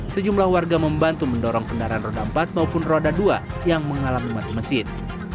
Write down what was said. sejumlah warga membantu mendorong kendaraan roda empat maupun roda dua yang mengalami mati mesin